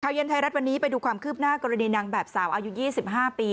เย็นไทยรัฐวันนี้ไปดูความคืบหน้ากรณีนางแบบสาวอายุ๒๕ปี